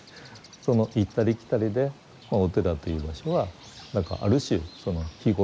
その行ったり来たりでお寺という場所は何かある種日頃のですね